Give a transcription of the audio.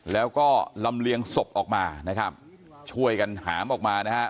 แล้วก็ลำเลียงศพออกมานะครับช่วยกันหามออกมานะฮะ